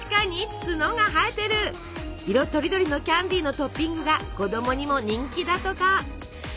色とりどりのキャンディーのトッピングが子どもにも人気だとか。